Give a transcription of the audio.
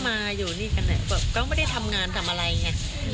ก็มาอยู่นี่กันเนี้ยเขาไม่ได้ทำงานทำอะไรไงอืม